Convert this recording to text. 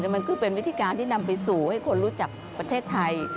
มันก็เป็นวิธีการที่นำไปสู่ให้คนรู้จักประเทศไทย